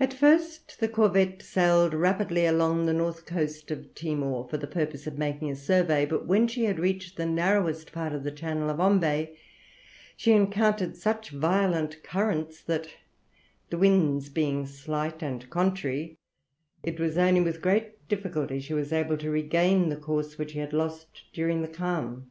At first the corvette sailed rapidly along the north coast of Timor, for the purpose of making a survey, but when she had reached the narrowest part of the Channel of Ombay, she encountered such violent currents that the winds being slight and contrary it was only with great difficulty she was able to regain the course which she had lost during the calm.